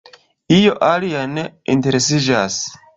Io alia ne interesiĝas.